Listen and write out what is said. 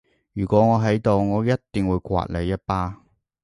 如果我喺度我一定會摑你一巴